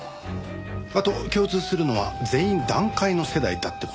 あと共通するのは全員団塊の世代だって事。